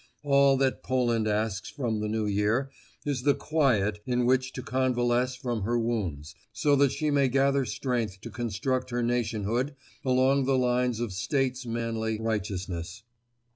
All that Poland asks from the New Year is the quiet in which to convalesce from her wounds, so that she may gather strength to construct her nationhood along the lines of states manly righteousness.